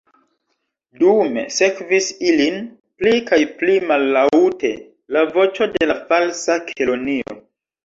Dume sekvis ilin pli kaj pli mallaŭte la voĉo de la Falsa Kelonio.